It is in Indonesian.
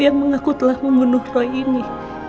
yang mengaku telah membunuh kali ini